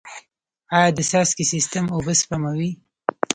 آیا د څاڅکي سیستم اوبه سپموي؟